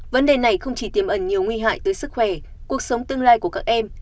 vấn đề này không chỉ tiêm ẩn nhiều nguy hại tới sức khỏe cuộc sống tương lai của các em